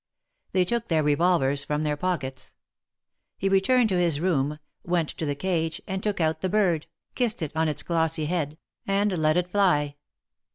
They took their revolvers from their pockets. He returned to his room, went to the cage, and took out the bird, kissed it on its glossy head, and let it fly.